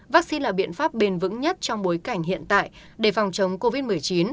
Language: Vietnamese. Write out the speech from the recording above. vaccine là biện pháp bền vững nhất trong bối cảnh hiện tại để phòng chống covid một mươi chín